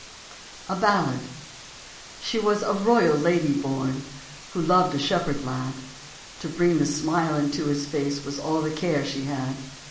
A BALLAD. SHE was a royal lady born. Who loved a shepherd lad ; To bring the smile into his face Was all the care she had.